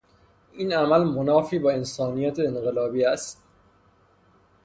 این عمل منافی با انسانیت انقلابی است.